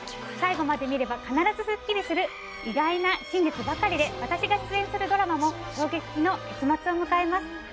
最後まで見れば必ずスッキリする意外な真実ばかりで私が出演するドラマも衝撃の結末を迎えます。